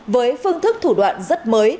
với phương thức thủ đoạn rất mới